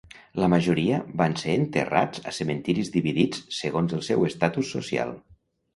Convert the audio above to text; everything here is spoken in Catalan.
La majoria van ser enterrats a cementiris dividits segons el seu estatus social.